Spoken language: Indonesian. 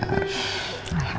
asal aku gak mau berusaha